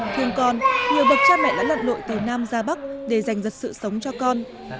thương con nhiều bậc cha mẹ đã lặn lội từ nam ra bắc để giành giật sự sống cho con